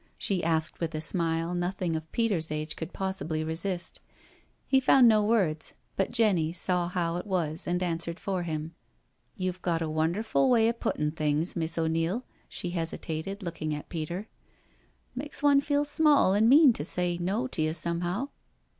*' she asked with a smile nothing of Peter's age could possibly resists He found no words, but Jenny saw how it was and answered for him« You've got a wonderfu' way of puttin' things. Miss O'Neil "— she hesitated, lodcing at Peter —" makes one feel small and mean to say ' No ' to you, somehow."